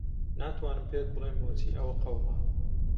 ناتوانم پێت بڵێم بۆچی ئەوە قەوما.